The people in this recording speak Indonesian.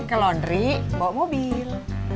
ke londri bawa mobil